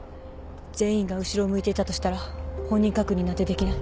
全員が後ろを向いていたとしたら本人確認なんてできない。